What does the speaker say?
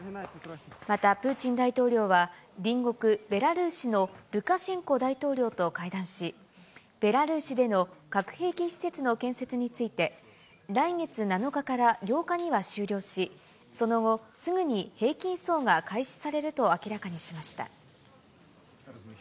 またプーチン大統領は、隣国ベラルーシのルカシェンコ大統領と会談し、ベラルーシでの核兵器施設の建設について、来月７日から８日には終了し、その後、すぐに兵器移送が開始されると明らかにしました。